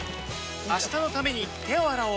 明日のために手を洗おう